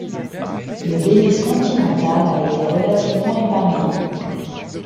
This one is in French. Le Belize continental a été relativement épargné.